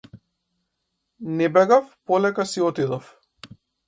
Не бегав, полека си отидов.